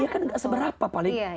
ya kan gak seberapa paling